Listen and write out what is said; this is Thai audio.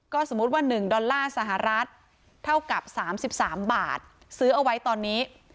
สมมุติว่า๑ดอลลาร์สหรัฐเท่ากับ๓๓บาทซื้อเอาไว้ตอนนี้